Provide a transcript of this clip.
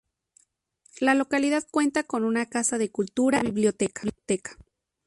La localidad cuenta con una Casa de Cultura y una biblioteca.